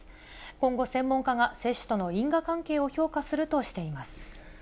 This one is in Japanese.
今後、専門家が接種との因果関係を評価するとしています。